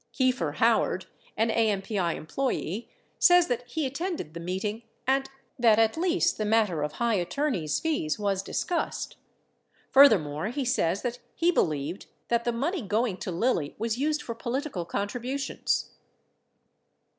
Kieffer Howard, an AMPI employee, says that he attended the meeting and that at least the matter of high attorneys' fees •was discussed. Furthermore, he says that he believed that the money going to Lilly was used for political contributions.